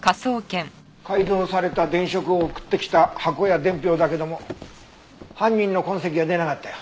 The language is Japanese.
改造された電飾を送ってきた箱や伝票だけども犯人の痕跡は出なかったよ。